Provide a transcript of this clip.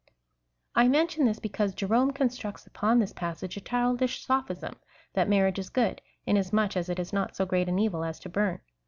I mention this, because Jerome constructs upon this passage a childish sojihism^ — that marriage is good, inas much as it is not so great an evil as to burn.